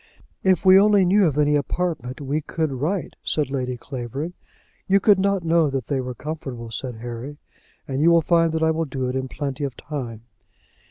"If we only knew of any apartments, we could write," said Lady Clavering. "You could not know that they were comfortable," said Harry; "and you will find that I will do it in plenty of time."